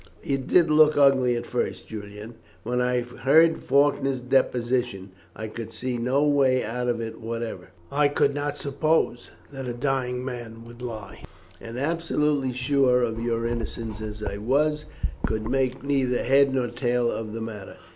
"It did look ugly at first, Julian. When I heard Faulkner's deposition I could see no way out of it whatever. I could not suppose that a dying man would lie, and, absolutely sure of your innocence as I was, could make neither head nor tail of the matter.